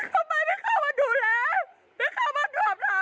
ทำไมไม่เข้ามาดูแลไม่เข้ามาดูลับหา